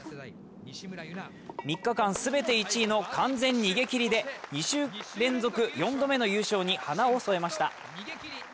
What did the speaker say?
３日間全て１位の完全逃げきりで２週連続４度目の優勝に花を添えました。